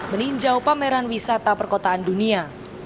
meninjau pameran wisata perkotaan dunia